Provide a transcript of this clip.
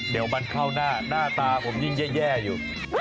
เดี๋ยวมันเข้าหน้าหน้าตาผมยิ่งแย่อยู่